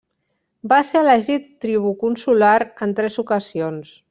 Va ser elegit tribú consular en tres ocasions.